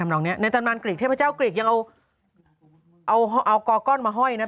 น้องนี้ได้ตั้งมาจากที่พเจ้ากรีกแล้วเอาเอาฮาวลี้กล้องกล้อนมาห้อยนะเป็น